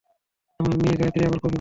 আমার মেয়ে গায়ত্রী আমার কফি বানাবে।